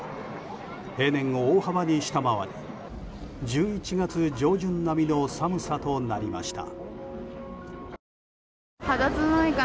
平年を大幅に下回り１１月上旬並みの寒さとなりました。